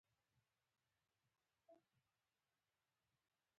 کرنه د خاورې د حاصلخیز ساتلو سبب کېږي.